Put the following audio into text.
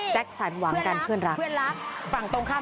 แจ๊คซันหวังนั่งคลิปข้าวกัน